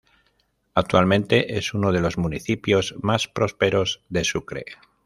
Actualmente es uno de los municipios más prósperos de Sucre.